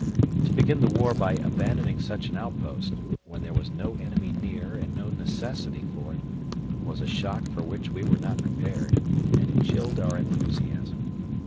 To begin the war by abandoning such an outpost, when there was no enemy near and no necessity for it, was a shock for which we were not prepared, and it chilled our enthusiasm.